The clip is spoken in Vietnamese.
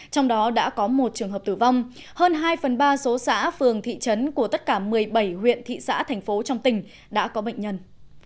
trong đó đã có một trường hợp tử vong hơn hai phần ba số xã phường thị trấn của tất cả một mươi bảy huyện thị xã thành phố trong tỉnh đã có bệnh nhân